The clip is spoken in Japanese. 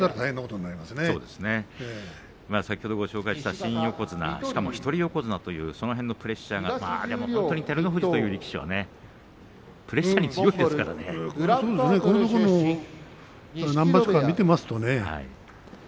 先ほど、ご紹介した新横綱しかも一人横綱というその辺のプレッシャーがどうかというところですが本当に照ノ富士という力士はプレッシャーにこのところ何場所か見ていますとね